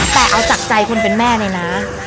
แต่เอาจากใจคนเป็นแม่เลยนะ